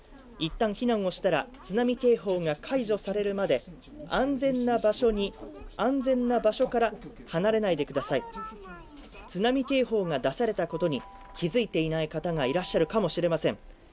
一旦避難をしたら、津波警報が解除されるまで、安全な場所に安全な場所から離れないでください、津波警報が出されたことに気づいていない方がいらっしゃるかもしれません。